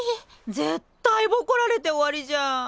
絶対ボコられて終わりじゃん。